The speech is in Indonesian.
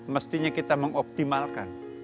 mestinya kita mengoptimalkan